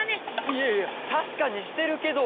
いやいやたしかにしてるけど。